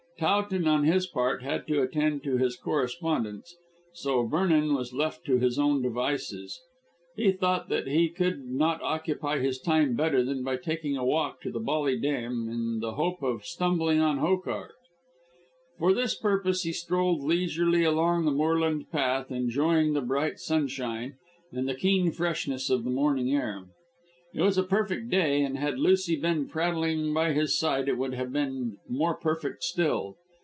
Towton, on his part, had to attend to his correspondence; so Vernon was left to his own devices. He thought that he could not occupy his time better than by taking a walk to the Bolly Dam in the hope of stumbling on Hokar. For this purpose he strolled leisurely along the moorland path, enjoying the bright sunshine and the keen freshness of the morning air. It was a perfect day, and had Lucy been prattling by his side it would have been more perfect still.